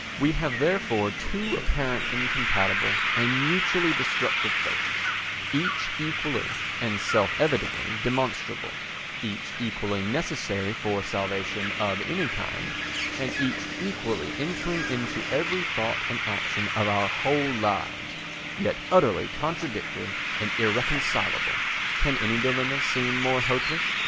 We have therefore two apparently incompatible and mutually destructive faiths, each equally and self evidently demonstrable, each equally necessary for salvation of any kind, and each equally entering into every thought and action of our whole lives, yet utterly contradictory and irreconcilable. Can any dilemma seem more hopeless?